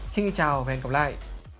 xin chào và hẹn gặp lại